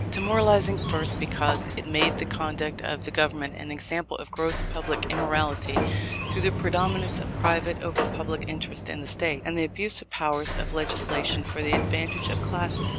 Demoralizing, first, because it made the conduct of the Government an example of gross public immorality, through the predominance of private over public interests in the State, and the abuse of the powers of legislation for the advantage of classes.